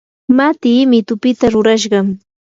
matii mitupita rurashqam.